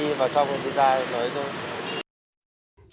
sao không biết ra nói thôi